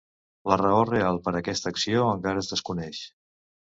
La raó real per a aquesta acció encara es desconeix.